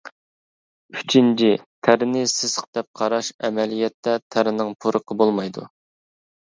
ئۈچىنچى: تەرنى سېسىق دەپ قاراش ئەمەلىيەتتە تەرنىڭ پۇرىقى بولمايدۇ.